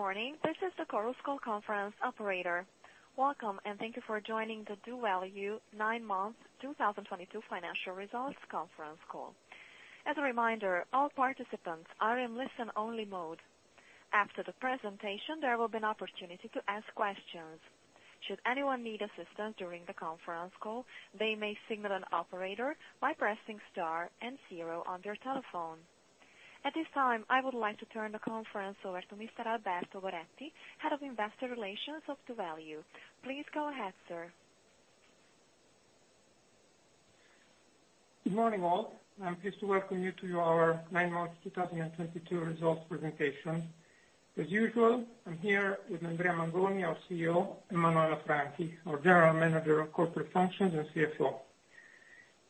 Morning. This is the Chorus Call conference operator. Welcome, and thank you for joining The doValue Nine-month 2022 Financial Results Conference Call. As a reminder, all participants are in listen-only mode. After the presentation, there will be an opportunity to ask questions. Should anyone need assistance during the conference call, they may signal an operator by pressing star and zero on their telephone. At this time, I would like to turn the conference over to Mr. Alberto Goretti, Head of Investor Relations of doValue. Please go ahead, sir. Good morning, all. I'm pleased to welcome you to Our Nine-month 2022 Results Presentation. As usual, I'm here with Andrea Mangoni, our CEO, and Manuela Franchi, our General Manager of Corporate Functions and CFO.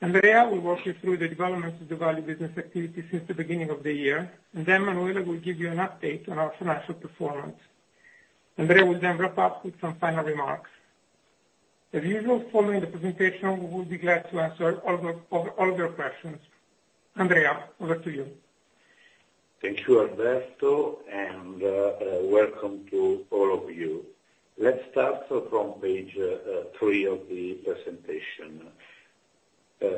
Andrea will walk you through the developments of doValue business activity since the beginning of the year, and then Manuela will give you an update on our financial performance. Andrea will then wrap up with some final remarks. As usual, following the presentation, we will be glad to answer all your questions. Andrea, over to you. Thank you, Alberto, and welcome to all of you. Let's start from page three of the presentation.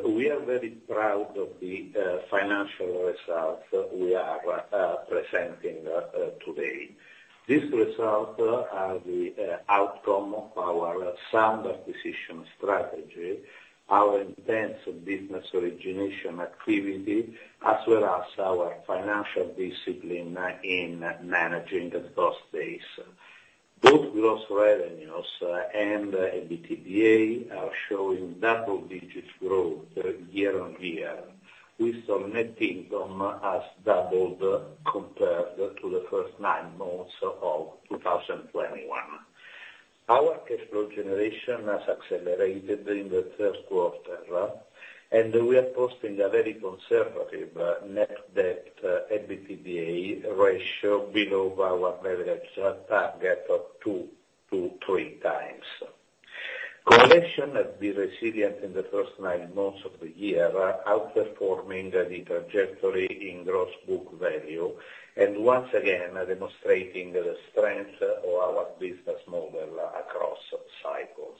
We are very proud of the financial results we are presenting today. These results are the outcome of our sound acquisition strategy, our intense business origination activity, as well as our financial discipline in managing the cost base. Both gross revenues and EBITDA are showing double-digit growth year-on-year, with net income has doubled compared to the first nine months of 2021. Our cash flow generation has accelerated in the Q1, and we are posting a very conservative net debt to EBITDA ratio below our leverage target of two-three times. Collection has been resilient in the first nine months of the year, outperforming the trajectory in gross book value, and once again demonstrating the strength of our business model across cycles.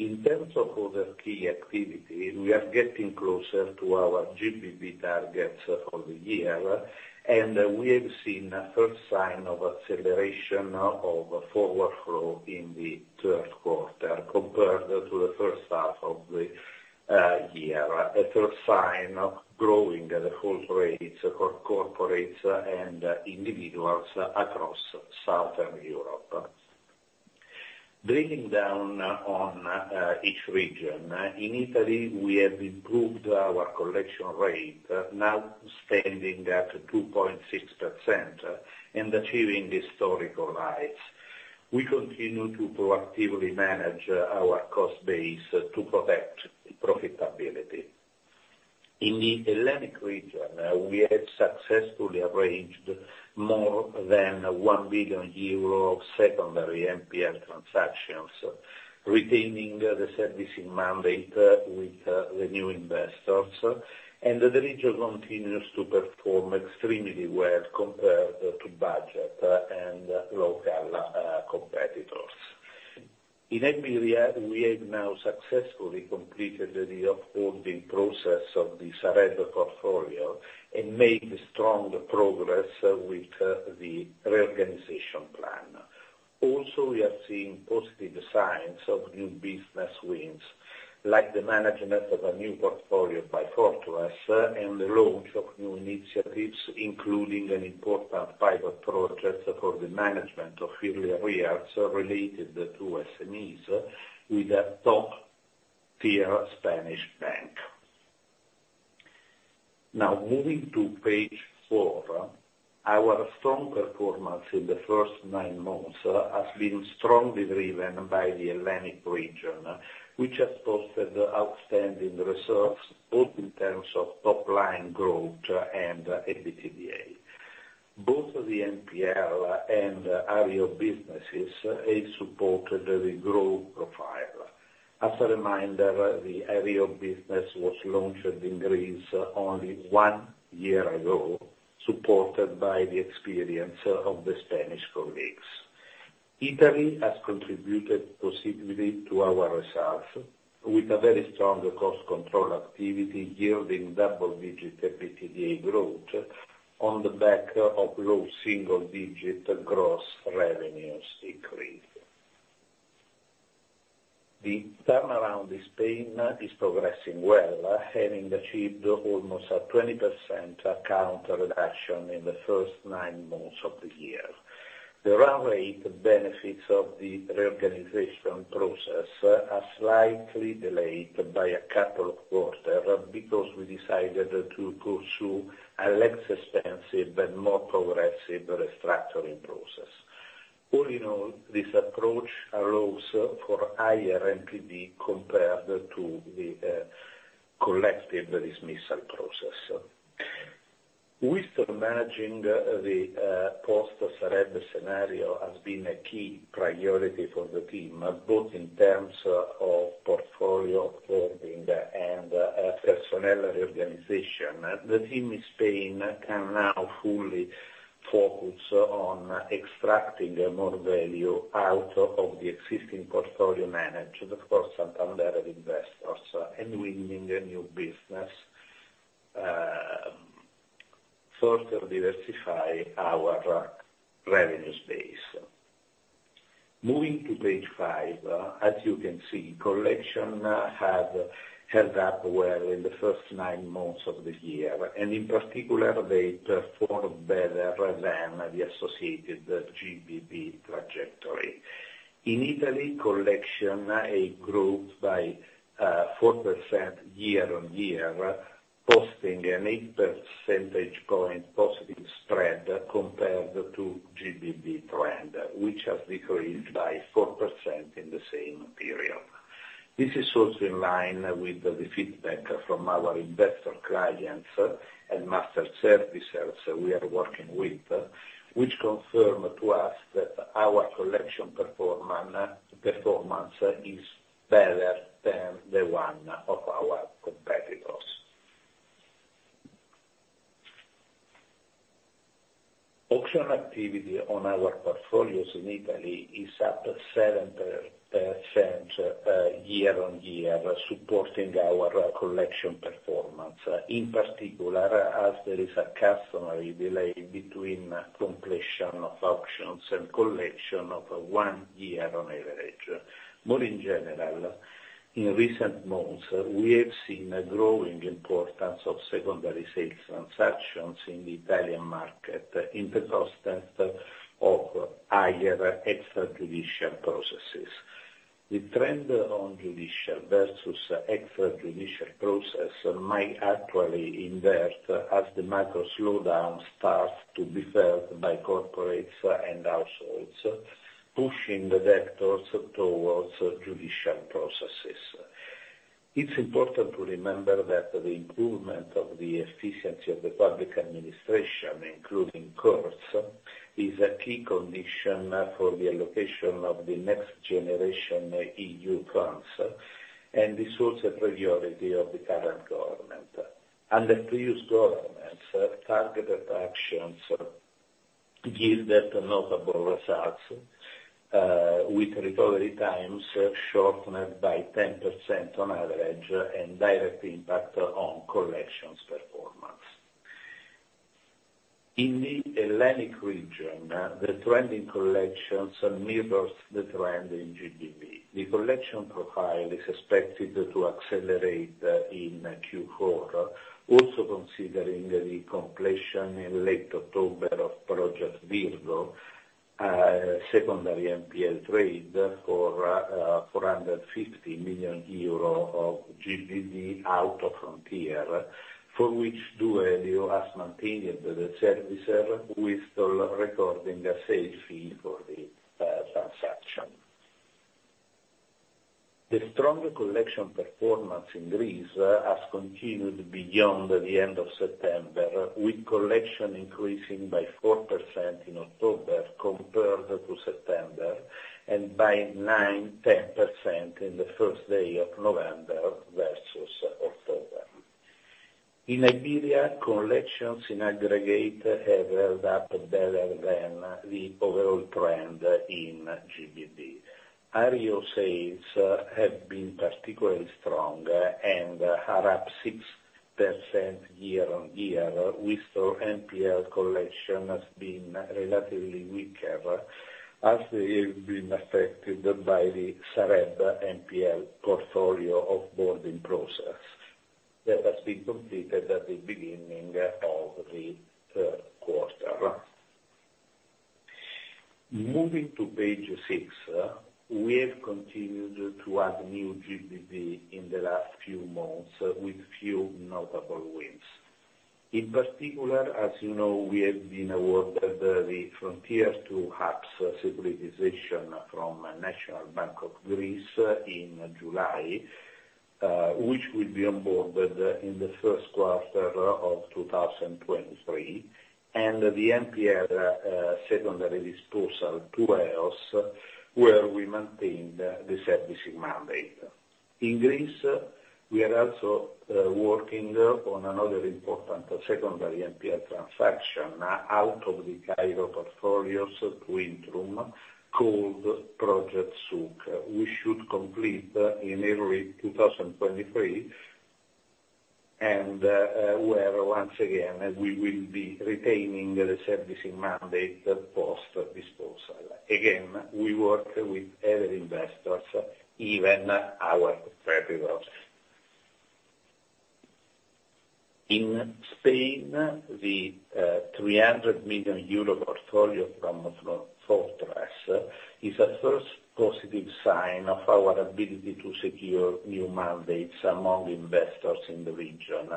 In terms of other key activity, we are getting closer to our GBV targets for the year, and we have seen a first sign of acceleration of forward flow in the Q3 compared to the H1 of the year. A first sign of growing at low rates for corporates and individuals across Southern Europe. Breaking down on each region. In Italy, we have improved our collection rate, now standing at 2.6% and achieving historical highs. We continue to proactively manage our cost base to protect profitability. In the Hellenic region, we have successfully arranged more than 1 billion euro secondary NPL transactions, retaining the servicing mandate with the new investors, and the region continues to perform extremely well compared to budget and local competitors. In Iberia, we have now successfully completed the off-boarding process of the Sareb portfolio and made strong progress with the reorganization plan. Also, we are seeing positive signs of new business wins, like the management of a new portfolio by Fortress and the launch of new initiatives, including an important private project for the management of early arrears related to SMEs with a top-tier Spanish bank. Now moving to page four. Our strong performance in the first nine months has been strongly driven by the Hellenic region, which has posted outstanding results, both in terms of top-line growth and EBITDA. Both the NPL and REO businesses have supported the growth profile. As a reminder, the REO business was launched in Greece only one year ago, supported by the experience of the Spanish colleagues. Italy has contributed positively to our results, with a very strong cost control activity yielding double-digit EBITDA growth on the back of low single-digit gross revenues increase. The turnaround in Spain is progressing well, having achieved almost a 20% account reduction in the first nine months of the year. The run rate benefits of the reorganization process are slightly delayed by a couple of quarters because we decided to go through a less expensive but more progressive restructuring process. All in all, this approach allows for higher NPV compared to the collective dismissal process. We're still managing the post-Sareb scenario has been a key priority for the team, both in terms of portfolio servicing and personnel organization. The team in Spain can now fully focus on extracting more value out of the existing portfolio managed, of course, sometimes through investors and winning new business, further diversify our revenue base. Moving to page five, as you can see, collections have held up well in the first nine months of the year, and in particular, they performed better than the associated GBV trajectory. In Italy, collections grew by 4% year-on-year, posting an eight percentage point positive spread compared to GBV trend, which has decreased by 4% in the same period. This is also in line with the feedback from our investor clients and master servicers we are working with, which confirm to us that our collection performance is better than the one of our competitors. Auction activity on our portfolios in Italy is up 7%, year-on-year, supporting our collection performance. In particular, as there is a customary delay between completion of auctions and collection of one year on average. More generally, in recent months, we have seen a growing importance of secondary sales transactions in the Italian market in the process of higher extrajudicial processes. The trend on judicial versus extrajudicial process might actually invert as the macro slowdown starts to be felt by corporates and households, pushing the debtors towards judicial processes. It's important to remember that the improvement of the efficiency of the public administration, including courts, is a key condition for the allocation of the NextGenerationEU funds, and it's also a priority of the current government. Under previous governments, targeted actions gave them notable results, with recovery times shortened by 10% on average and direct impact on collections performance. In the Hellenic region, the trending collections mirrors the trend in GBV. The collection profile is expected to accelerate in Q4, also considering the completion in late October of Project Virgo, secondary NPL trade for 450 million euro of GBV out of Frontier, for which doValue has maintained the servicer with still recording a sales fee for the transaction. The strong collection performance in Greece has continued beyond the end of September, with collection increasing by 4% in October compared to September and by 9%-10% in the first day of November versus October. In Iberia, collections in aggregate have held up better than the overall trend in GBV. REO sales have been particularly strong and are up 6% year-on-year, while NPL collection has been relatively weaker as they've been affected by the Sareb NPL portfolio off-boarding process that has been completed at the beginning of the Q3. Moving to page 6, we have continued to add new GBV in the last few months with few notable wins. In particular, as you know, we have been awarded the Frontier II HAPS securitization from National Bank of Greece in July, which will be onboarded in the Q1 of 2023, and the NPL secondary disposal to EOS, where we maintained the servicing mandate. In Greece, we are also working on another important secondary NPL transaction out of the Cairo portfolios to Intrum called Project Souq. We should complete in early 2023 and, where once again, we will be retaining the servicing mandate post-disposal. Again, we work with other investors, even our competitors. In Spain, the 300 million euro portfolio from Fortress is a first positive sign of our ability to secure new mandates among investors in the region.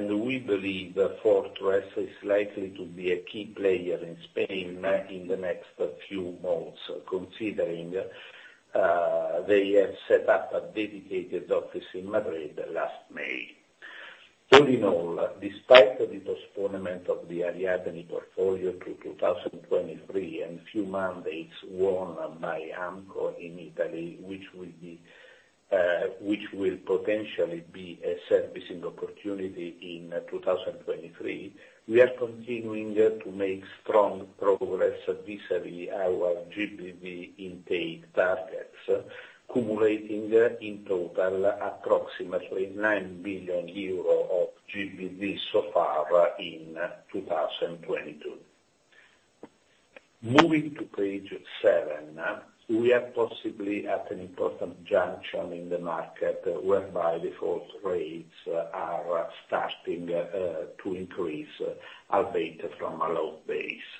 We believe Fortress is likely to be a key player in Spain in the next few months, considering they have set up a dedicated office in Madrid last May. All in all, despite the postponement of the Ariadne portfolio to 2023, and few mandates won by AMCO in Italy, which will potentially be a servicing opportunity in 2023, we are continuing to make strong progress vis-à-vis our GBV intake targets, culminating in total approximately 9 billion euro of GBV so far in 2022. Moving to page 7. We are possibly at an important junction in the market whereby default rates are starting to increase, albeit from a low base.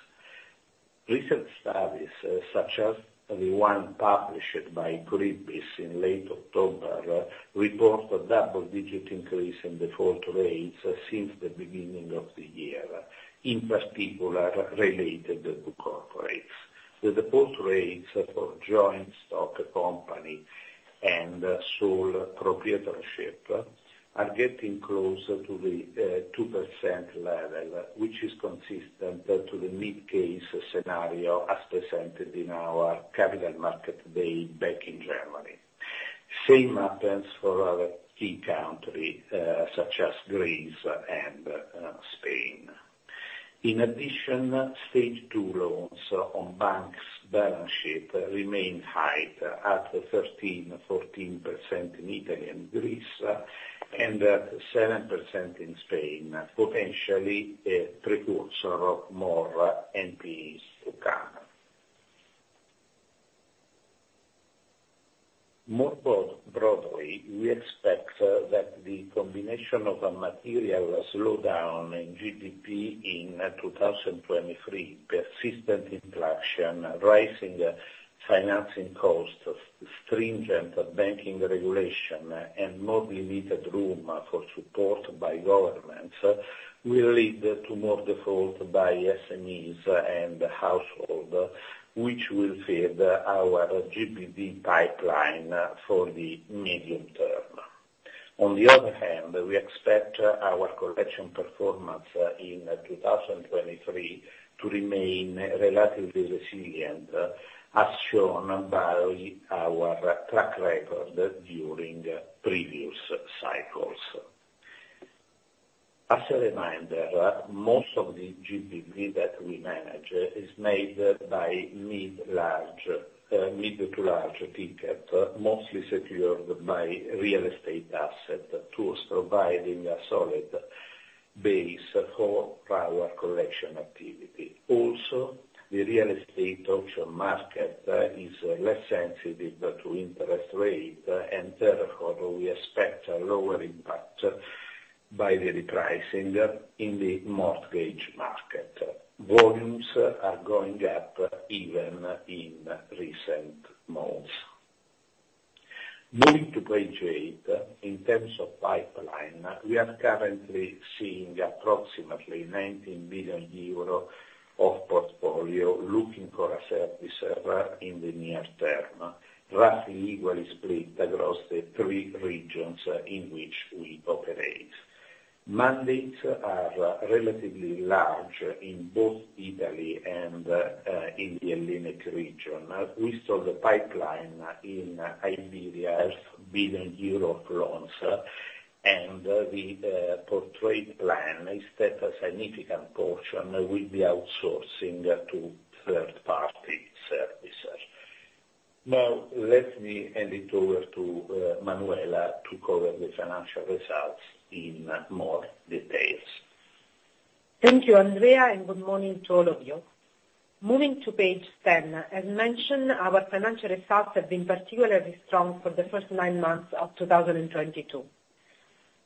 Recent studies, such as the one published by CRIF in late October, report a double-digit increase in default rates since the beginning of the year, in particular related to corporates. The default rates for joint stock company and sole proprietorship are getting closer to the 2% level, which is consistent to the mid-case scenario as presented in our Capital Markets Day back in January. Same happens for other key country, such as Greece and Spain. In addition, Stage two loans on banks' balance sheet remain high at 13%-14% in Italy and Greece, and at 7% in Spain. Potentially a precursor of more NPEs to come. Broadly, we expect that the combination of a material slowdown in GDP in 2023, persistent inflation, rising financing costs, stringent banking regulation, and more limited room for support by governments, will lead to more defaults by SMEs and households, which will feed our GBV pipeline for the medium term. On the other hand, we expect our collection performance in 2023 to remain relatively resilient, as shown by our track record during previous cycles. As a reminder, most of the GBV that we manage is made up of mid- to large-ticket, mostly secured by real estate assets thus providing a solid base for our collection activity. Also, the real estate auction market is less sensitive to interest rates, and therefore, we expect a lower impact by the repricing in the mortgage market. Volumes are going up even in recent months. Moving to page eight. In terms of pipeline, we are currently seeing approximately 19 billion euro of portfolio looking for a service in the near term, roughly equally split across the three regions in which we operate. Mandates are relatively large in both Italy and in the Hellenic region. As we saw, the pipeline in Iberia 1 billion euro loans, and the projected plan is that a significant portion will be outsourcing to third party servicers. Now let me hand it over to Manuela to cover the financial results in more details. Thank you, Andrea, and good morning to all of you. Moving to page 10. As mentioned, our financial results have been particularly strong for the first nine months of 2022.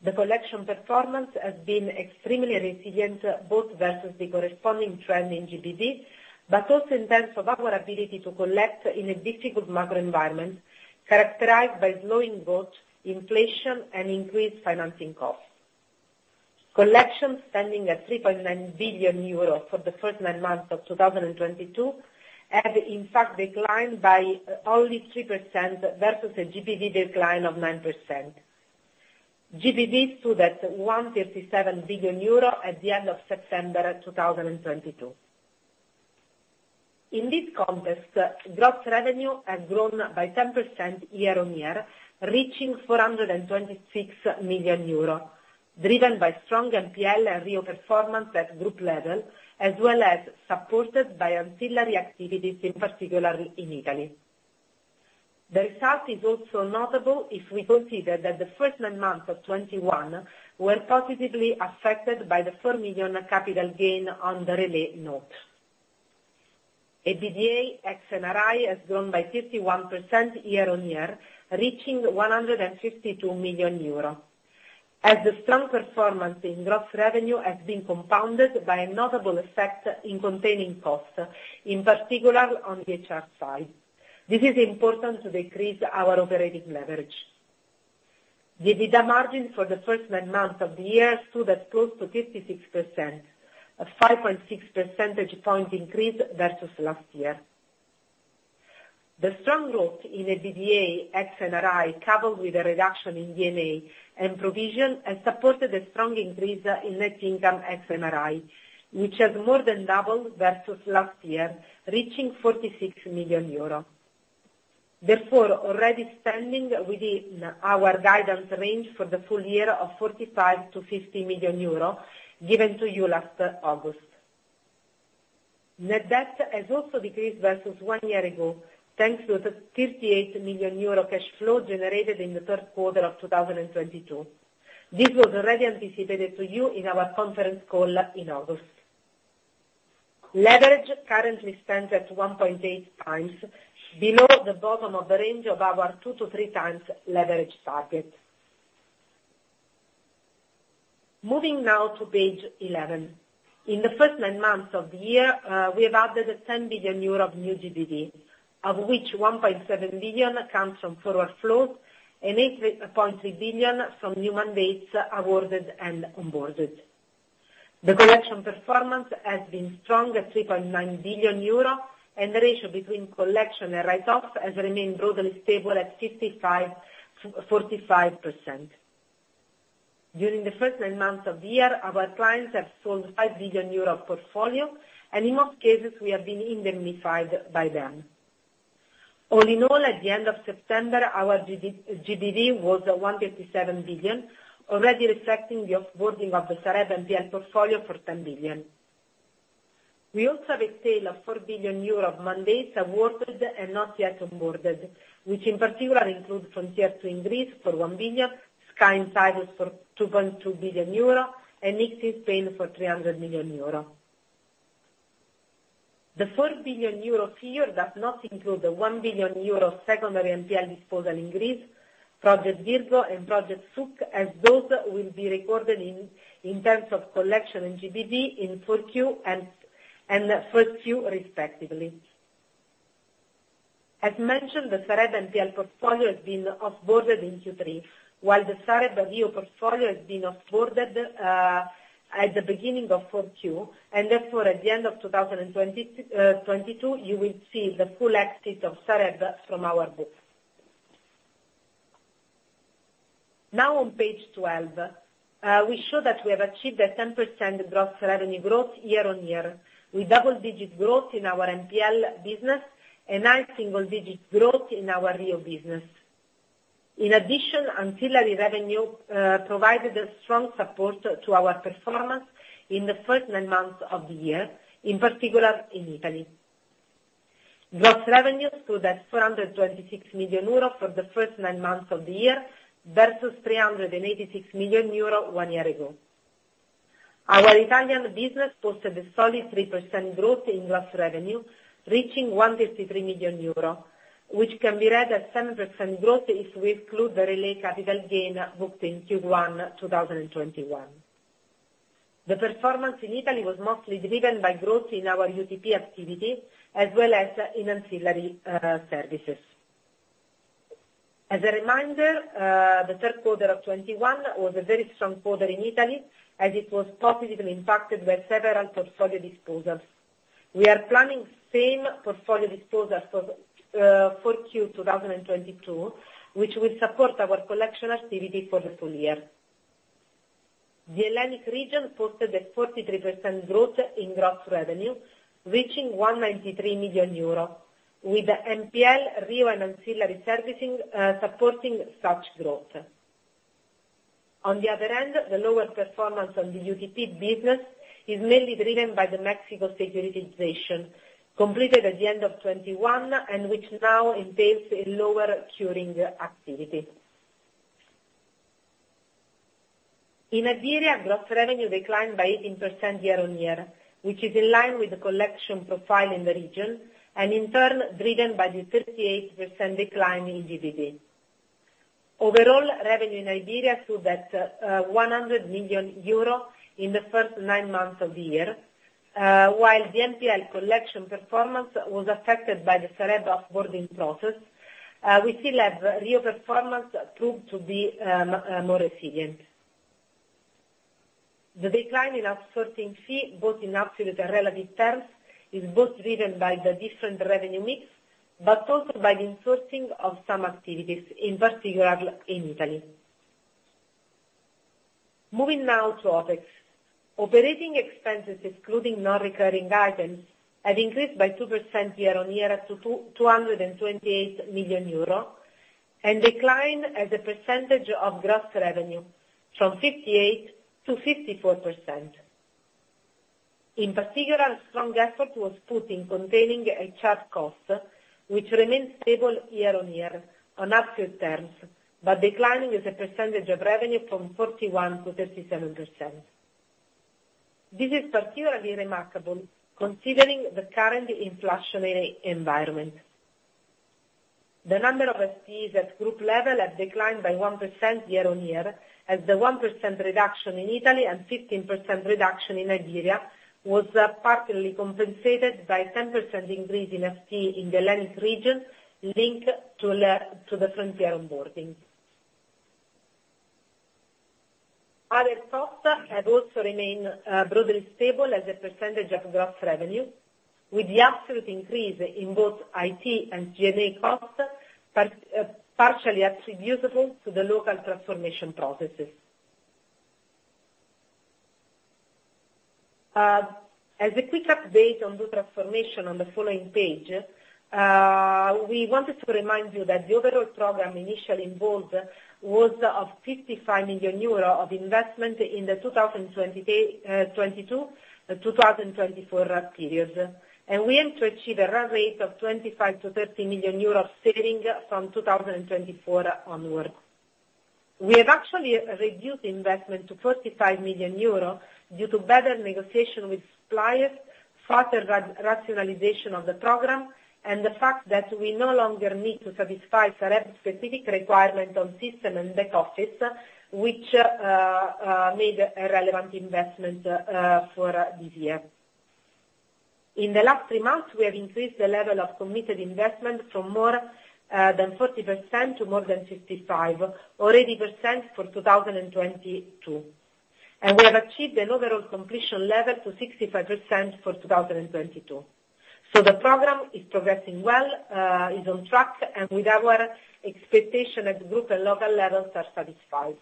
The collection performance has been extremely resilient, both versus the corresponding trend in GBV, but also in terms of our ability to collect in a difficult macro environment characterized by slowing growth, inflation, and increased financing costs. Collections standing at 3.9 billion euros for the first nine months of 2022 have in fact declined by only 3% versus a GBV decline of 9%. GBV stood at 157 billion euro at the end of September 2022. In this context, gross revenue has grown by 10% year-on-year, reaching 426 million euro, driven by strong NPL and REO performance at group level, as well as supported by ancillary activities, in particular in Italy. The result is also notable if we consider that the first nine months of 2021 were positively affected by the 4 million capital gain on the Relais note. EBITDA ex NRI has grown by 51% year-on-year, reaching 152 million euro, as the strong performance in gross revenue has been compounded by a notable effect in containing costs, in particular on the HR side. This is important to decrease our operating leverage. The EBITDA margin for the first nine months of the year stood at close to 56%, a 5.6 percentage point increase versus last year. The strong growth in EBITDA ex NRI, coupled with a reduction in D&A and provision, has supported a strong increase in net income ex NRI, which has more than doubled versus last year, reaching 46 million euros. Therefore already standing within our guidance range for the full year of 45 million-50 million euro given to you last August. Net debt has also decreased versus one year ago, thanks to the 58 million euro cash flow generated in the Q3 of 2022. This was already anticipated to you in our conference call in August. Leverage currently stands at 1.8x below the bottom of the range of our two-three times leverage target. Moving now to page eleven. In the first nine months of the year, we have added 10 billion euro of new GBV, of which 1.7 billion comes from forward flows and 8.3 billion from new mandates awarded and onboarded. The collection performance has been strong at 3.9 billion euro, and the ratio between collection and write-offs has remained broadly stable at 55-45%. During the first nine months of the year, our clients have sold 5 billion euro of portfolio, and in most cases we have been indemnified by them. All in all, at the end of September, our GBV was 157 billion, already reflecting the off-boarding of the Sareb NPL portfolio for 10 billion. We also have a tail of 4 billion euro of mandates awarded and not yet onboarded, which in particular include Frontier II for 1 billion, Project Sky for 2.2 billion euro and Project NIX Spain for 300 million euro. The 4 billion euro figure does not include the 1 billion euro secondary NPL disposal in Greece, Project Virgo and Project Souq, as those will be recorded in terms of collection and GBV in full Q and Q1 respectively. As mentioned, the Sareb NPL portfolio has been off-boarded in Q3 while the Sareb REO portfolio has been off-boarded at the beginning of Q4, and therefore at the end of 2022, you will see the full exit of Sareb from our books. Now on page 12, we show that we have achieved a 10% gross revenue growth year-on-year, with double-digit growth in our NPL business and high single digit growth in our REO business. In addition, ancillary revenue provided a strong support to our performance in the first nine months of the year, in particular in Italy. Gross revenue stood at 426 million euro for the first nine months of the year, versus 386 million euro one year ago. Our Italian business posted a solid 3% growth in gross revenue reaching 153 million euro, which can be read as 7% growth if we exclude the Relais capital gain booked in Q1 2021. The performance in Italy was mostly driven by growth in our UTP activity as well as in ancillary services. As a reminder, the Q3 of 2021 was a very strong quarter in Italy as it was positively impacted by several portfolio disposals. We are planning same portfolio disposal for Q4 2022, which will support our collection activity for the full year. The Hellenic region posted a 43% growth in gross revenue, reaching 193 million euro, with NPL REO and ancillary servicing supporting such growth. On the other hand, the lower performance on the UTP business is mainly driven by the Project Mexico securitization completed at the end of 2021 and which now entails a lower curing activity. In Iberia, gross revenue declined by 18% year-on-year, which is in line with the collection profile in the region and in turn driven by the 38% decline in GBV. Overall, revenue in Iberia stood at 100 million euro in the first nine months of the year. While the NPL collection performance was affected by the Sareb off-boarding process, the REO performance proved to be more resilient. The decline in outsourcing fee, both in absolute and relative terms, is both driven by the different revenue mix but also by the insourcing of some activities, in particular in Italy. Moving now to OpEx. Operating expenses, excluding non-recurring items, have increased by 2% year-on-year to 228 million euro and decline as a percentage of gross revenue from 58%-54%. In particular, strong effort was put in containing HR costs, which remained stable year-on-year on absolute terms, but declining as a percentage of revenue from 41%-37%. This is particularly remarkable considering the current inflationary environment. The number of SPs at group level have declined by 1% year-on-year as the 1% reduction in Italy and 15% reduction in Iberia was partly compensated by 10% increase in SP in the Hellenic region linked to the frontier onboarding. Other costs have also remained broadly stable as a percentage of gross revenue, with the absolute increase in both IT and G&A costs partially attributable to the local transformation processes. As a quick update on the transformation on the following page, we wanted to remind you that the overall program initially involved was of 55 million euro of investment in the 2022 to 2024 periods. We aim to achieve a run rate of 25-30 million euros saving from 2024 onwards. We have actually reduced the investment to 45 million euros due to better negotiation with suppliers, further rationalization of the program, and the fact that we no longer need to satisfy Sareb's specific requirement on system and back office, which made a relevant investment for this year. In the last three months, we have increased the level of committed investment from more than 40% to more than 55%, or 80% for 2022. We have achieved an overall completion level to 65% for 2022. The program is progressing well, is on track and with our expectation at group and local levels are satisfied.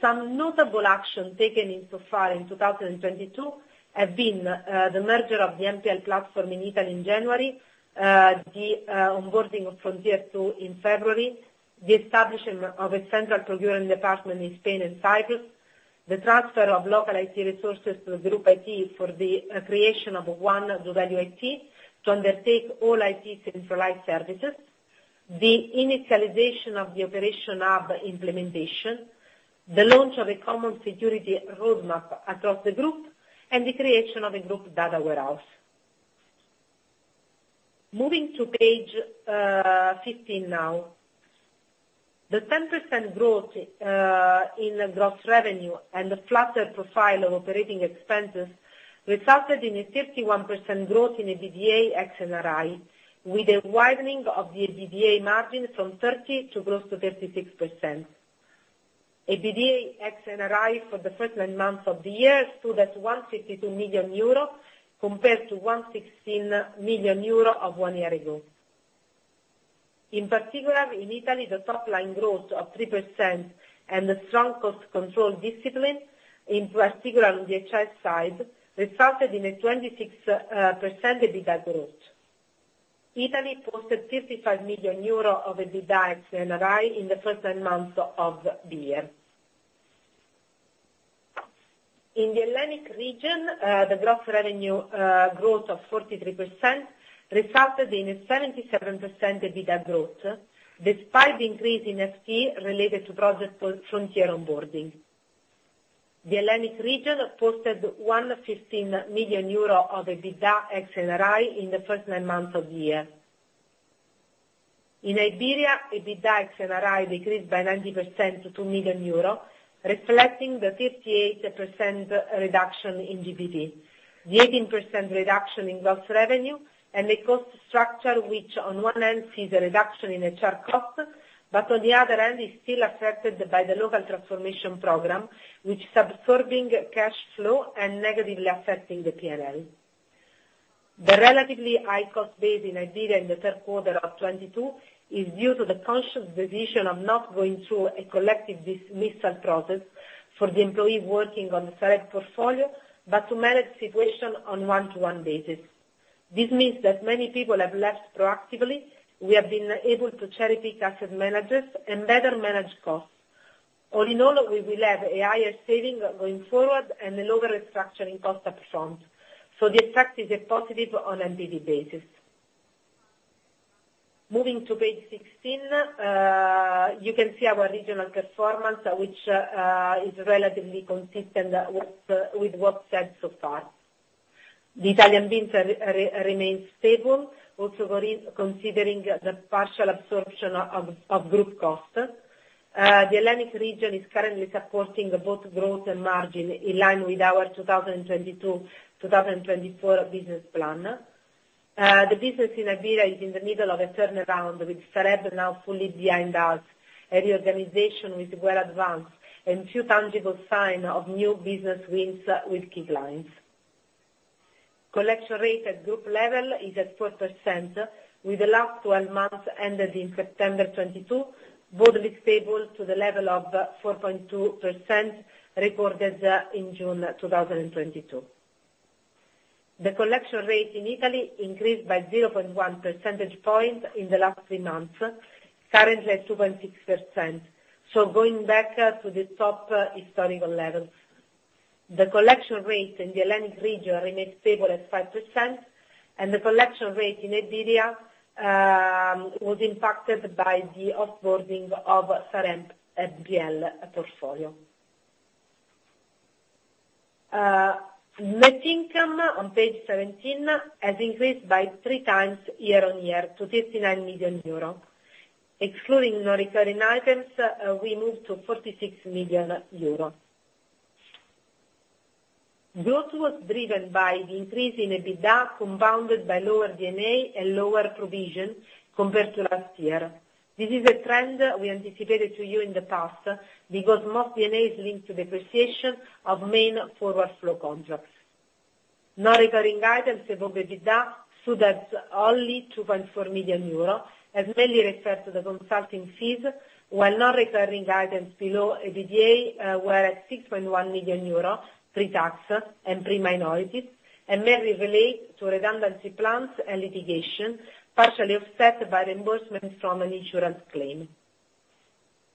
Some notable action taken so far in 2022 have been, the merger of the NPL platform in Italy in January, the onboarding of Frontier II in February, the establishment of a central procurement department in Spain and Cyprus, the transfer of local IT resources to the group IT for the creation of ONE doValue IT to undertake all IT centralized services, the initialization of the operation hub implementation, the launch of a common security roadmap across the group, and the creation of a group data warehouse. Moving to page 15 now. The 10% growth in the gross revenue and the flatter profile of operating expenses resulted in a 51% growth in the EBITDA ex NRI, with a widening of the EBITDA margin from 30% to 36%. EBITDA ex NRI for the first nine months of the year stood at 152 million euro compared to 116 million euro one year ago. In particular, in Italy, the top line growth of 3% and the strong cost control discipline, in particular on the HR side, resulted in a 26% EBITDA growth. Italy posted 55 million euro of EBITDA ex NRI in the first nine months of the year. In the Hellenic region, the gross revenue growth of 43% resulted in a 77% EBITDA growth, despite the increase in FTE related to Project Frontier onboarding. The Hellenic region posted 115 million euro of EBITDA ex NRI in the first nine months of the year. In Iberia, EBITDA ex NRI decreased by 90% to 2 million euro, reflecting the 58% reduction in GDP, the 18% reduction in gross revenue, and a cost structure which on one end sees a reduction in HR costs, but on the other end is still affected by the local transformation program, which is absorbing cash flow and negatively affecting the P&L. The relatively high cost base in Iberia in the Q3 of 2022 is due to the conscious decision of not going through a collective dismissal process for the employee working on the Sareb portfolio, but to manage situation on one-to-one basis. This means that many people have left proactively. We have been able to cherry-pick asset managers and better manage costs. All in all, we will have a higher saving going forward and a lower restructuring cost up front. The effect is a positive on an EBITDA basis. Moving to page 16, you can see our regional performance, which is relatively consistent with what's said so far. The Italian business remains stable, also for considering the partial absorption of group costs. The Hellenic region is currently supporting both growth and margin in line with our 2022/2024 business plan. The business in Iberia is in the middle of a turnaround with Sareb now fully behind us, a reorganization which well advanced and few tangible sign of new business wins with key clients. Collection rate at group level is at 4% with the last twelve months ended in September 2022, broadly stable to the level of 4.2% recorded in June 2022. The collection rate in Italy increased by 0.1 percentage point in the last three months, currently at 2.6%, so going back to the top historical levels. The collection rate in the Hellenic region remains stable at 5%, and the collection rate in Iberia was impacted by the off-boarding of Sareb NPL portfolio. Net income on page 17 has increased by three times year-on-year to 59 million euro. Excluding non-recurring items, we moved to 46 million euro. Growth was driven by the increase in EBITDA, compounded by lower D&A and lower provision compared to last year. This is a trend we anticipated to you in the past, because most D&A is linked to depreciation of main forward flow contracts. Non-recurring items above EBITDA stood at only 2.4 million euro, as mainly referred to the consulting fees, while non-recurring items below EBITDA were at 6.1 million euro pre-tax and pre-minorities, and mainly relate to redundancy plans and litigation, partially offset by reimbursements from an insurance claim.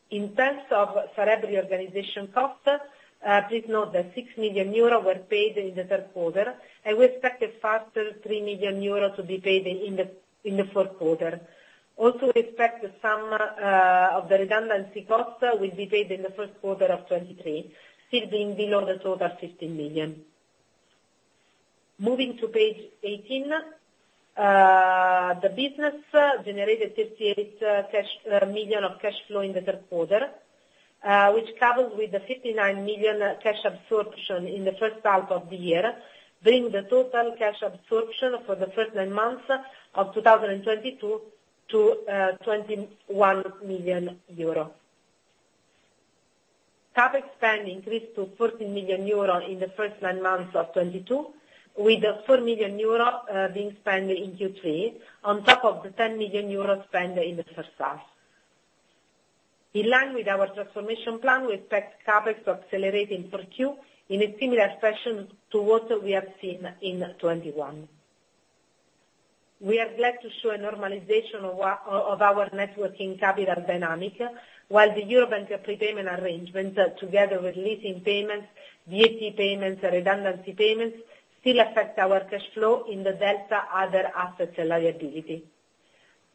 In terms of Sareb organization costs, please note that 6 million euros were paid in the Q3, and we expect a further 3 million euros to be paid in the Q4. We expect some of the redundancy costs will be paid in the Q1 of 2023, still being below the total 15 million. Moving to page eighteen, the business generated 58 million of cash flow in the Q3, which coupled with the 59 million cash absorption in the H1 of the year, bring the total cash absorption for the first nine months of 2022 to 21 million euro. CapEx spend increased to 14 million euro in the first nine months of 2022, with 4 million euro being spent in Q3, on top of the 10 million euro spent in the H1. In line with our transformation plan, we expect CapEx to accelerate in Q4 in a similar fashion to what we have seen in 2021. We are glad to show a normalization of our net working capital dynamic, while the European payment arrangements, together with leasing payments, VAT payments, and redundancy payments, still affect our cash flow in the net other assets and liabilities.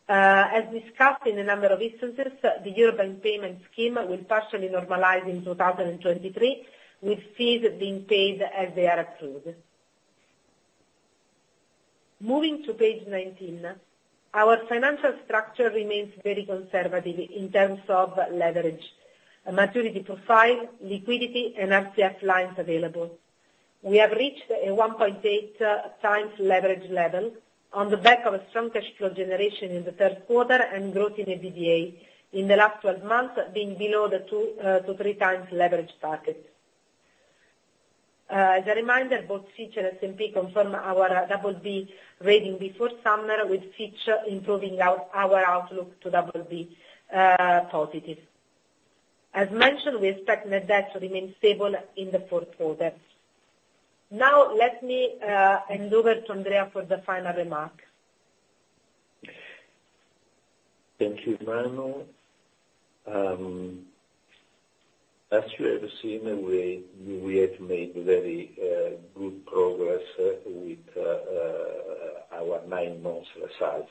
As discussed in a number of instances, the European payment scheme will partially normalize in 2023, with fees being paid as they are accrued. Moving to page 19. Our financial structure remains very conservative in terms of leverage, maturity profile, liquidity, and RCF lines available. We have reached a 1.8x leverage level on the back of strong cash flow generation in the Q3 and growth in EBITDA in the last twelve months being below the two-three times leverage target. As a reminder, both Fitch and S&P confirmed our BB rating before summer, with Fitch improving our outlook to BB positive. As mentioned, we expect net debt to remain stable in the Q4. Now let me hand over to Andrea for the final remarks. Thank you, Manuela. As you have seen, we have made very good progress with our nine months results,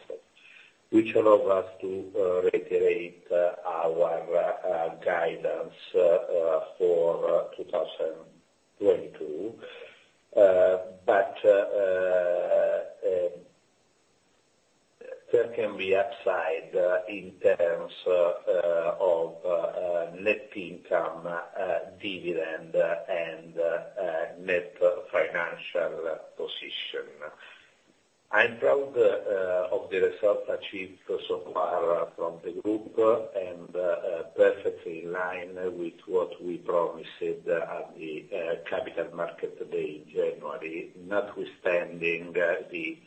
which allow us to reiterate our guidance for 2022. There can be upside in terms of net income, dividend and net financial position. I'm proud of the results achieved so far from the group and perfectly in line with what we promised at the Capital Markets Day in January, notwithstanding the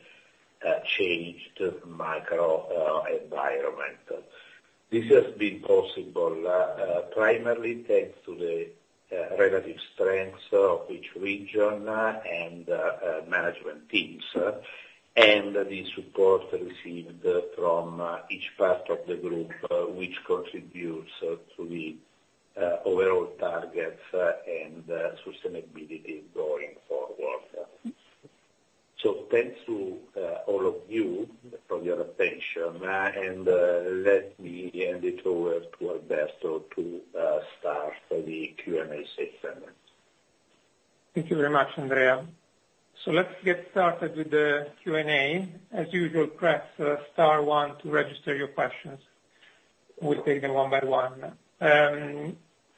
changed macro environment. This has been possible primarily thanks to the relative strengths of each region and management teams, and the support received from each part of the group, which contributes to the overall targets and sustainability going forward. Thanks to all of you for your attention, and let me hand it over to Alberto to start the Q&A session. Thank you very much, Andrea. Let's get started with the Q&A. As usual, press star one to register your questions. We'll take them one by one.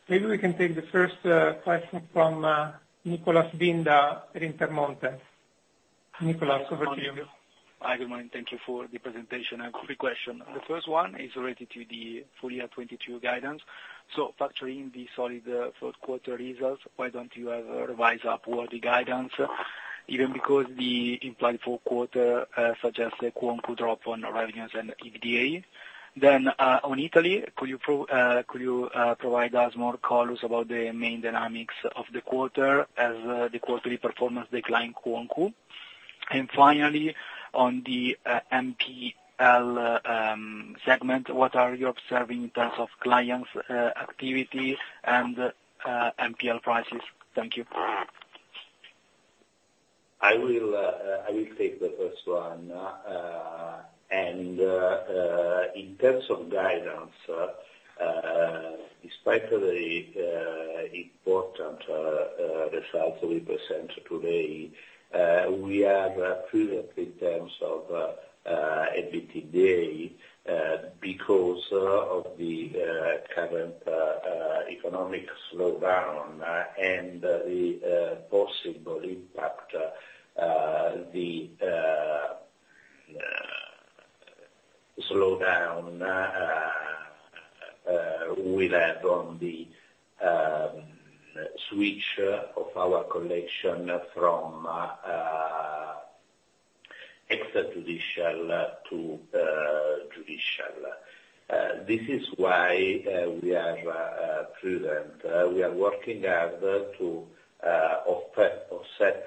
Maybe we can take the first question from Nicholas Binda at Intermonte. Nicholas, over to you. Hi, good morning. Thank you for the presentation. I have three questions. The first one is related to the full year 2022 guidance. Factoring the solid Q3 results, why don't you revise upward the guidance, even because the implied Q4 suggests a quantum drop in revenues and EBITDA? On Italy, could you provide us more color about the main dynamics of the quarter as the quarterly performance decline quantum? Finally, on the NPL segment, what are you observing in terms of clients' activity and NPL prices? Thank you. I will take the first one. In terms of guidance, despite the important results we presented today. We are prudent in terms of EBITDA, because of the current economic slowdown, and the possible impact the slowdown will have on the switch of our collection from extrajudicial to judicial. This is why we are prudent. We are working hard to offset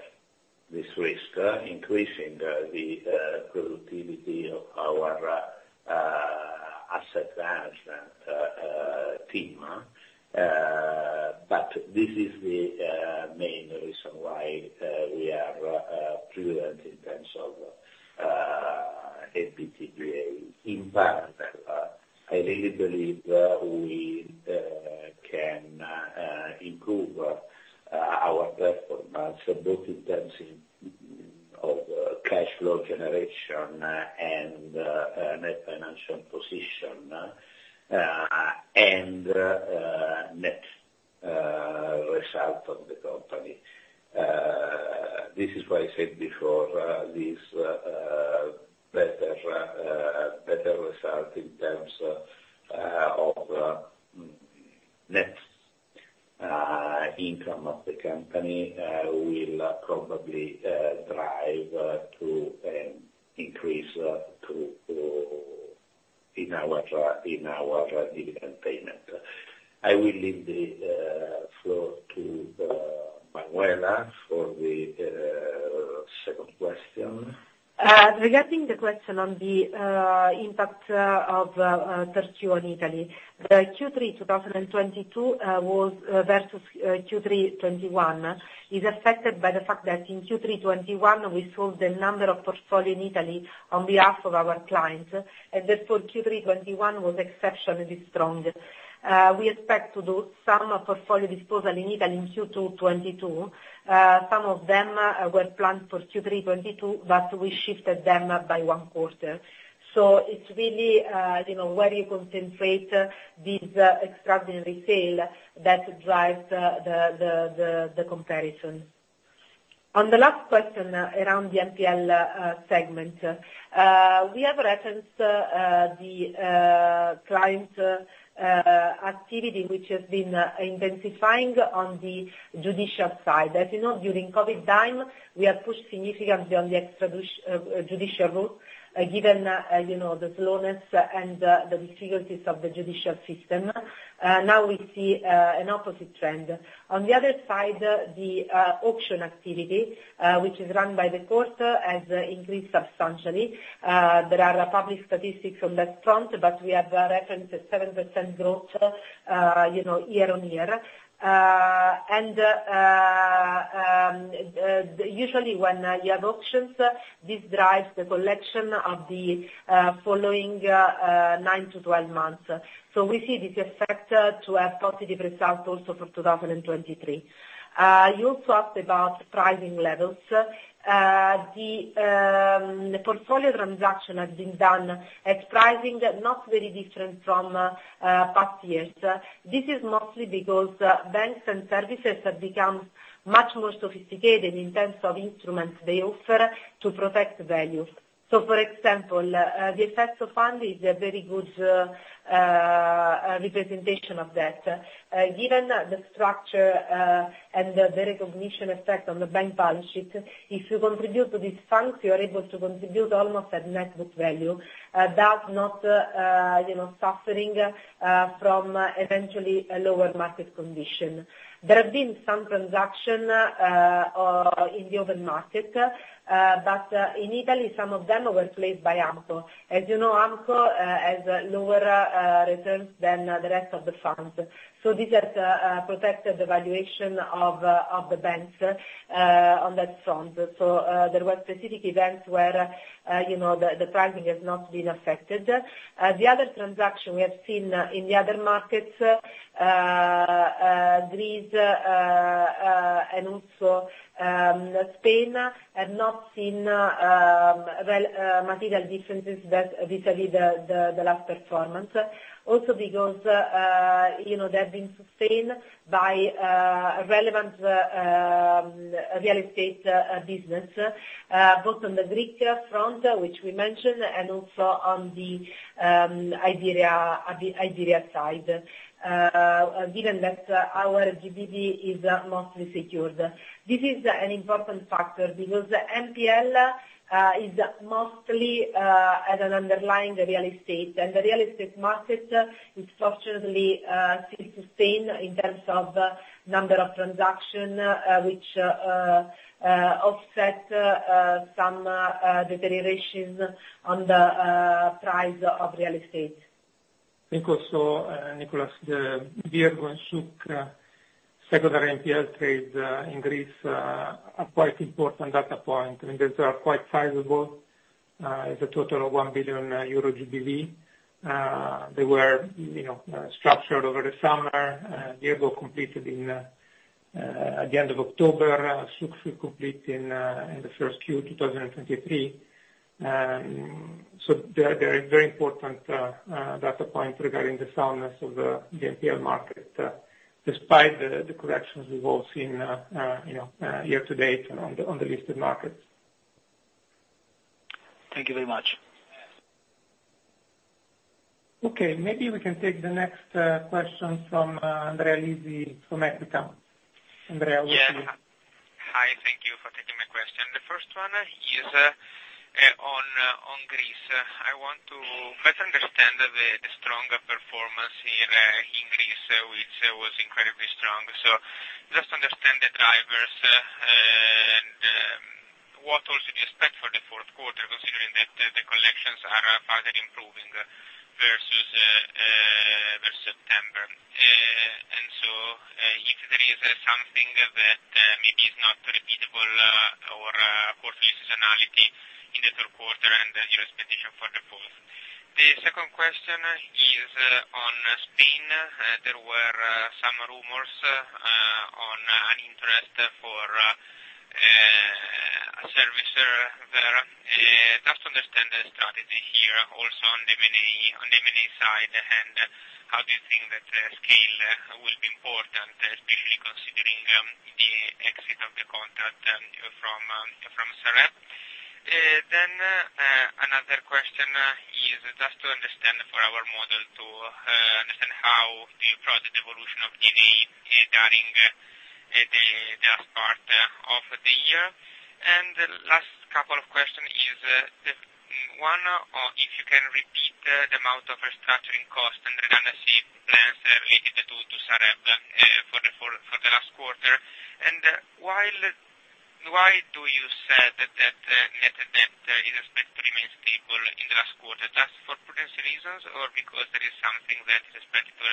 this risk, increasing the productivity of our asset management team. This is the main reason why we are prudent in terms of EBITDA. In fact, I really believe we can improve our performance both in terms of cash flow generation and net financial position and net result of the company. This is why I said before, this better result in terms of net income of the company will probably drive to an increase in our dividend payment. I will leave the floor to Manuela for the second question. Regarding the question on the impact of the servicer in Italy. The Q3 2022 versus Q3 2021 is affected by the fact that in Q3 2021 we sold a number of portfolio in Italy on behalf of our clients, and therefore Q3 2021 was exceptionally strong. We expect to do some portfolio disposal in Italy in Q2 2022. Some of them were planned for Q3 2022, but we shifted them by one quarter. It's really, you know, where you concentrate these extraordinary sale that drives the comparison. On the last question around the NPL segment. We have referenced the client activity, which has been intensifying on the judicial side. As you know, during COVID time, we have pushed significantly on the judicial route, given, you know, the slowness and the difficulties of the judicial system. Now we see an opposite trend. On the other side, the auction activity, which is run by the court, has increased substantially. There are public statistics on that front, but we have referenced 7% growth, you know, year-on-year. Usually, when you have auctions, this drives the collection of the following 9-12 months. We see this effect to have positive results also for 2023. You also asked about pricing levels. The portfolio transaction has been done at pricing not very different from past years. This is mostly because, banks and services have become much more sophisticated in terms of instruments they offer to protect value. For example, the Atlante fund is a very good representation of that. Given the structure, and the de-recognition effect on the bank balance sheet, if you contribute to these funds, you are able to contribute almost at net book value, that you're not, you know, suffering from even a lower market condition. There have been some transactions in the open market, but in Italy, some of them were placed by AMCO. As you know, AMCO has lower returns than the rest of the funds. This has protected the valuation of the banks on that front. There were specific events where, you know, the pricing has not been affected. The other transaction we have seen in the other markets, Greece, and also, Spain, have not seen material differences vis-a-vis the last performance. Because, you know, they have been sustained by relevant real estate business both on the Greek front, which we mentioned, and also on the Iberia side, given that our GBV is mostly secured. This is an important factor because NPL is mostly as an underlying the real estate. The real estate market is fortunately still sustained in terms of number of transaction, which offset some deterioration on the price of real estate. I think also, Nicholas, the Virgo and Souq secondary NPL trade in Greece are quite important data point, and these are quite sizable. It's a total of 1 billion euro GBV. They were, you know, structured over the summer. The deal completed in the end of October. Souq complete in the Q1 2023. So they're very important data point regarding the soundness of the NPL market, despite the corrections we've all seen, you know, year to date on the listed markets. Thank you very much. Okay, maybe we can take the next question from Andrea Lisi from Equita. Andrea, over to you. Yeah. Hi, thank you for taking my question. The first one is on Greece. I want to better understand the stronger performance in Greece, which was incredibly strong. Just understand the drivers, and what also do you expect for the Q4, considering that the collections are further improving versus September. If there is something that maybe is not repeatable, or portfolio seasonality in the Q3 and your expectation for the Q4. The second question is on Spain. There were some rumors on an interest for a servicer there. Just to understand the strategy here also on the M&A side, and how do you think that the scale will be important, especially considering the exit of the contract from Sareb. Then another question is just to understand for our model to understand how do you approach the evolution of D&A during the last part of the year. The last couple of question is if you can repeat the amount of restructuring costs and redundancy plans related to Sareb for the last quarter. Why did you say that net debt increase remains stable in the last quarter? Just for prudence reasons or because there is something that is expected to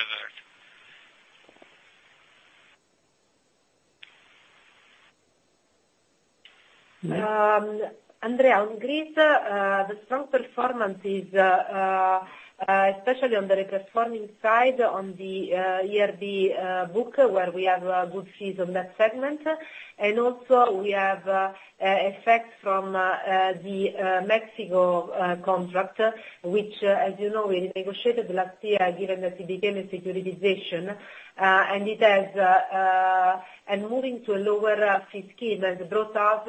revert? Andrea, on Greece, the strong performance is especially on the risk forming side on the ERB book, where we have good fees on that segment. Also we have effects from the Project Mexico contract, which, as you know, we negotiated last year given that it became a securitization. Moving to a lower fee scheme has brought us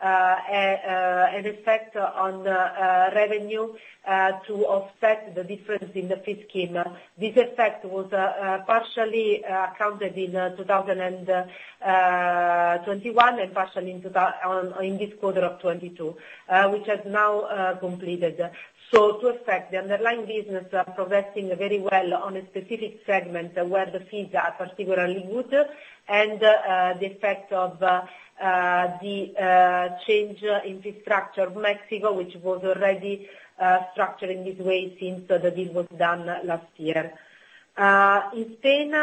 an effect on revenue to offset the difference in the fee scheme. This effect was partially counted in 2021 and partially in this quarter of 2022, which has now completed. The effect of the underlying business progressing very well on a specific segment where the fees are particularly good and the effect of the change in the structure of Mexico, which was already structured in this way since the deal was done last year. In Spain,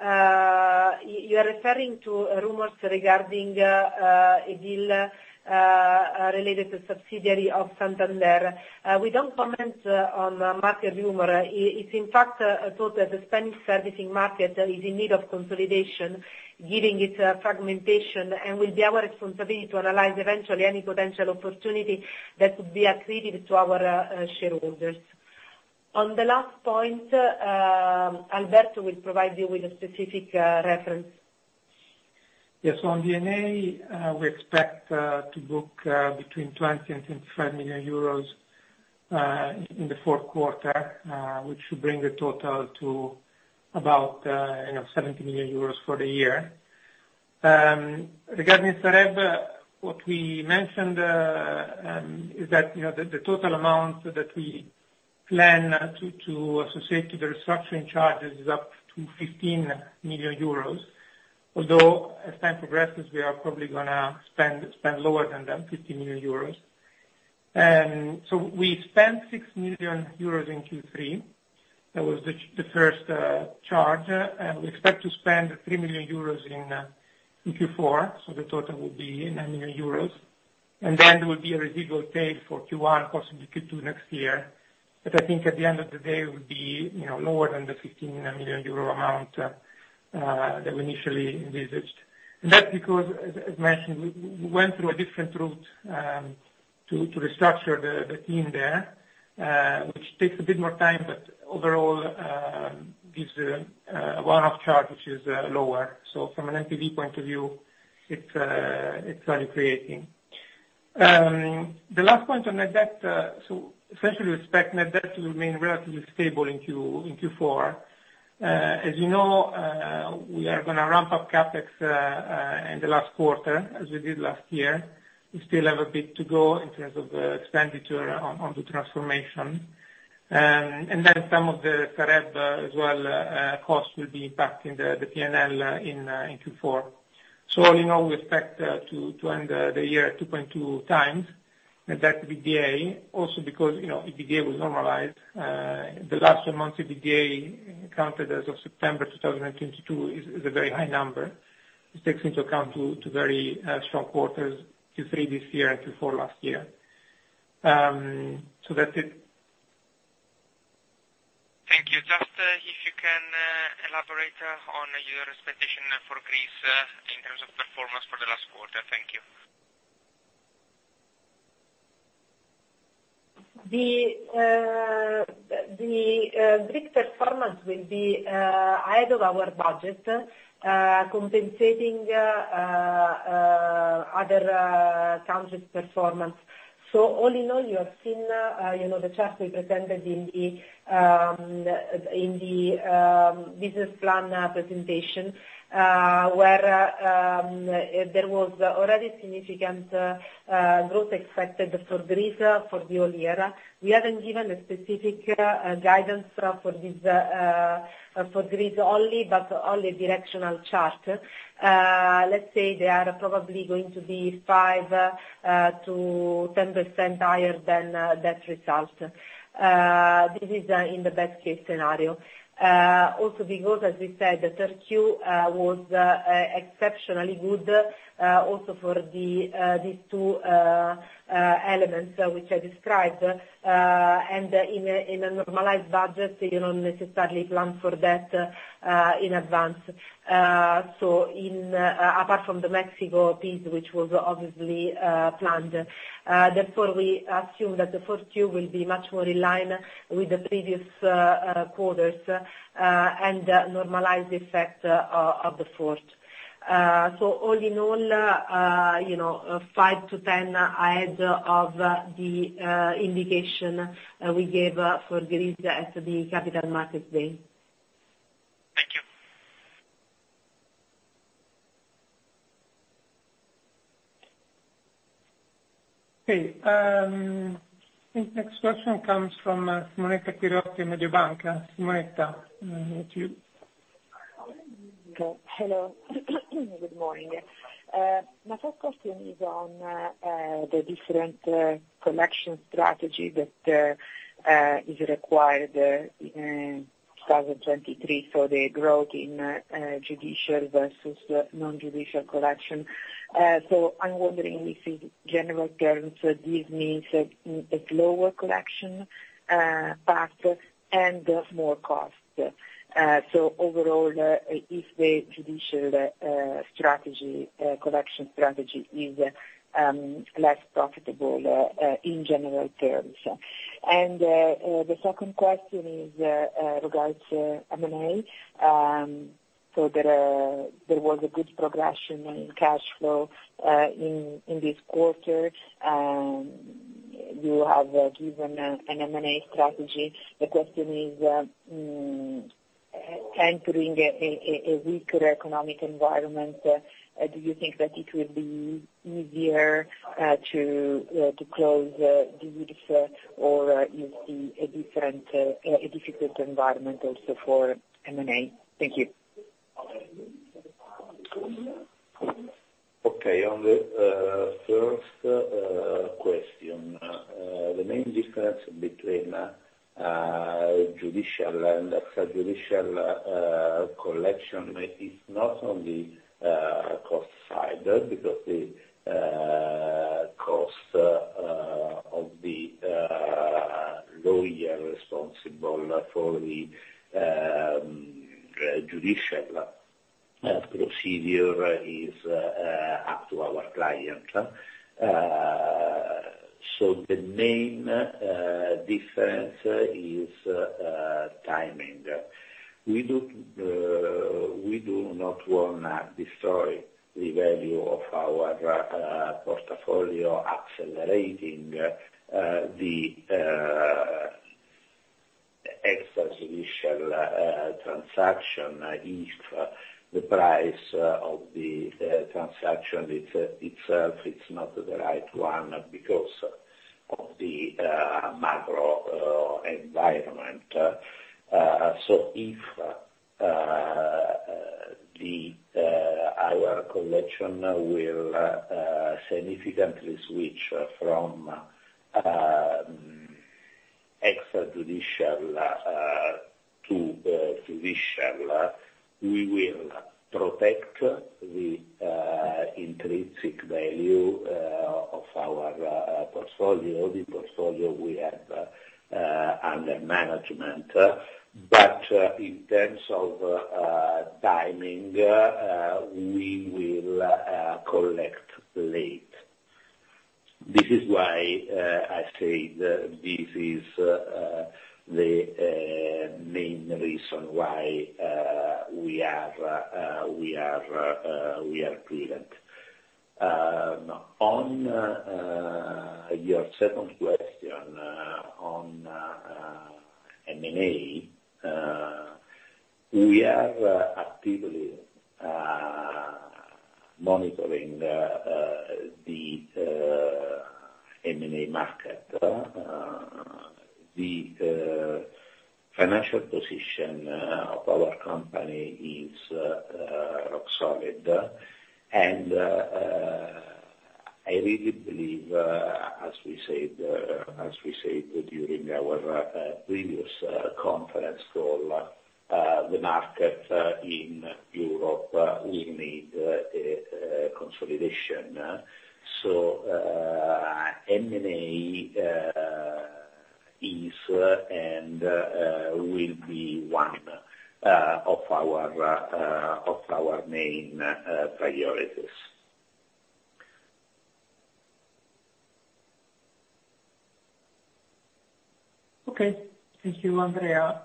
you're referring to rumors regarding a deal related to subsidiary of Santander. We don't comment on market rumor. It's in fact thought that the Spanish servicing market is in need of consolidation given its fragmentation, and will be our responsibility to analyze eventually any potential opportunity that would be accretive to our shareholders. On the last point, Alberto will provide you with a specific reference. Yes, on D&A, we expect to book between 20 million and 25 million euros in the Q4, which should bring the total to about, you know, 70 million euros for the year. Regarding Sareb, what we mentioned is that, you know, the total amount that we plan to associate to the restructuring charges is up to 15 million euros. Although as time progresses, we are probably gonna spend lower than 15 million euros. We spent 6 million euros in Q3. That was the first charge. We expect to spend 3 million euros in Q4, so the total will be 9 million euros. There will be a residual pay for Q1, possibly Q2 next year. I think at the end of the day, it will be, you know, lower than the 15 million euro amount that we initially envisaged. That's because, as mentioned, we went through a different route to restructure the team there, which takes a bit more time, but overall, gives a one-off charge which is lower. From an NPV point of view, it's value creating. The last point on net debt, essentially we expect net debt to remain relatively stable in Q4. As you know, we are gonna ramp up CapEx in the last quarter as we did last year. We still have a bit to go in terms of the expenditure on the transformation. Some of the Sareb as well cost will be impacting the P&L in Q4. In all, we expect to end the year at 2.2x. That EBITDA also because, you know, EBITDA was normalized the last few months, EBITDA counted as of September 2022 is a very high number. It takes into account two very strong quarters, Q3 this year and Q4 last year. That's it. Thank you. Just, if you can, elaborate on your expectation for Greece, in terms of performance for the last quarter. Thank you. The Greek performance will be ahead of our budget, compensating other countries' performance. All in all, you have seen, you know, the chart we presented in the business plan presentation, where there was already significant growth expected for Greece for the whole year. We haven't given a specific guidance for Greece only, but only directional chart. Let's say they are probably going to be 5%-10% higher than that result. This is in the best case scenario. Also because, as we said, the Q3 was exceptionally good, also for these two elements which I described. In a normalized budget, you don't necessarily plan for that in advance. Apart from the Mexico piece, which was obviously planned. Therefore, we assume that the Q4 will be much more in line with the previous quarters and normalize the effect of the fourth. All in all, you know, five to 10 ahead of the indication we gave for Greece at the Capital Markets Day. Thank you. Okay. The next question comes from Monica Pierotti, Mediobanca. Monica, it's you. Hello. Good morning. My first question is on the different collection strategy that is required in 2023 for the growth in judicial versus non-judicial collection. I'm wondering if in general terms this means a lower collection path and thus more cost. Overall, if the judicial collection strategy is less profitable in general terms. The second question is regarding M&A. There was a good progression in cash flow in this quarter. You have given an M&A strategy. The question is, entering a weaker economic environment, do you think that it will be easier to close deals or you see a different, a difficult environment also for M&A? Thank you. Okay. On the first question. The main difference between judicial and extra-judicial collection is not on the cost side because the cost of the lawyer responsible for the judicial procedure is up to our client. So the main difference is timing. We do not wanna destroy the value of our portfolio, accelerating the extra-judicial transaction if the price of the transaction itself is not the right one because of the macro environment. So if our collection will significantly switch from extra-judicial to judicial, we will protect the intrinsic value of our portfolio, the portfolio we have under management. But in terms of timing, we will collect late. This is why I say this is the main reason why we are prudent. On your second question on M&A, we are actively monitoring the M&A market. The financial position of our company is rock solid. I really believe, as we said during our previous conference call, the market in Europe will need consolidation. M&A is and will be one of our main priorities. Okay. Thank you, Andrea.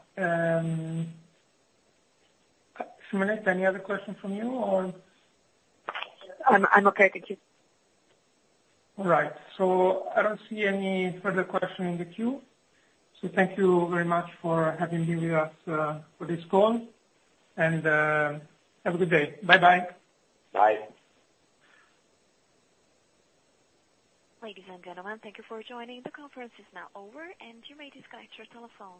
Monica, any other questions from you or? I'm okay. Thank you. All right. I don't see any further question in the queue. Thank you very much for having been with us for this call, and have a good day. Bye-bye. Bye. Ladies and gentlemen, thank you for joining. The conference is now over, and you may disconnect your telephones.